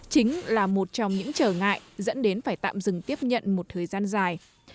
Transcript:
chính là một trong những trở ngại dẫn đến phải tạm dừng tiếp nhận một thời gian dài